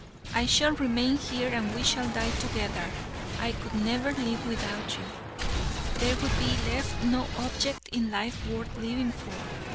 I shall remain here and we shall die together. I could never live without you. There would be left no object in life worth living for."